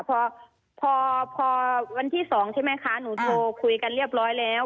พอวันที่๒ที่แม่ค้าหนูโทรคุยกันเรียบร้อยแล้ว